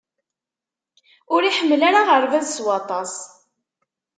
Ur iḥemmel ara aɣerbaz s waṭas.